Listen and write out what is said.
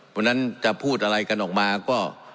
วันนั้นจะพูดอะไรกันออกมาก็